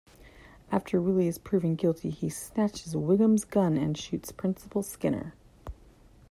After Willie is proven guilty, he snatches Wiggum's gun and shoots Principal Skinner.